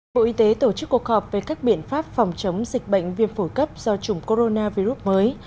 bộ y tế tổ chức cuộc họp về các biện pháp phòng chống dịch bệnh viêm phổi cấp do chủng coronavirus mới